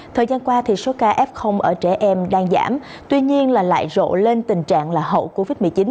thời gian qua số ca f ở trẻ em đang giảm tuy nhiên lại rộ lên tình trạng hậu covid một mươi chín